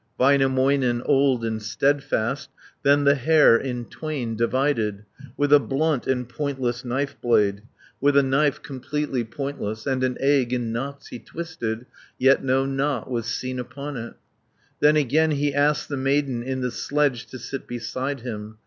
Väinämöinen, old and steadfast, Then the hair in twain divided, 100 With a blunt and pointless knife blade, With a knife completely pointless, And an egg in knots he twisted, Yet no knot was seen upon it. Then again he asked the maiden In the sledge to sit beside him.